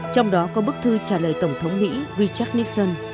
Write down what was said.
trong đó có bức thư trả lời tổng thống mỹ richard nisson